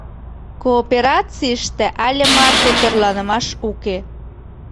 Кооперацийыште але марте тӧрланымаш уке.